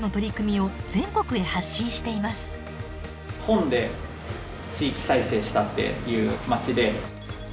本で地域再生したっていう街で。